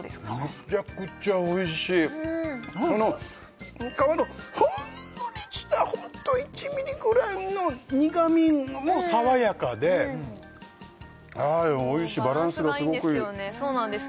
メチャクチャおいしい皮のほんのりしたホント１ミリぐらいの苦みも爽やかでおいしいバランスがすごくいいそうなんです